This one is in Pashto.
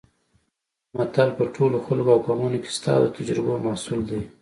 متل په ټولو خلکو او قومونو کې شته او د تجربو محصول دی